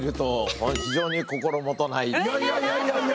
いやいやいやいや。